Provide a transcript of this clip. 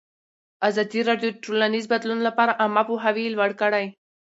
ازادي راډیو د ټولنیز بدلون لپاره عامه پوهاوي لوړ کړی.